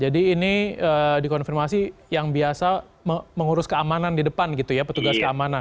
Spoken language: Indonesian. ini dikonfirmasi yang biasa mengurus keamanan di depan gitu ya petugas keamanan